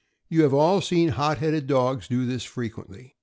You have all seen hot headed dogs do this frequently.